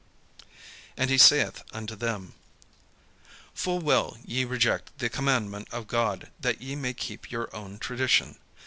And he said unto them: "Full well ye reject the commandment of God, that ye may keep your own tradition.